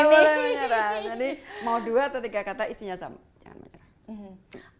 tidak boleh menyerah jadi mau dua atau tiga kata isinya sama jangan pernah menyerah